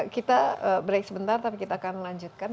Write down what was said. kita break sebentar tapi kita akan lanjutkan